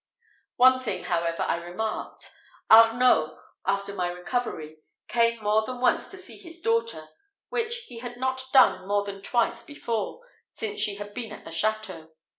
One thing, however, I remarked Arnault, after my recovery, came more than once to see his daughter, which he had not done more than twice before, since she had been at the château.